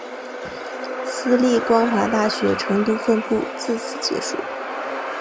私立光华大学成都分部自此结束。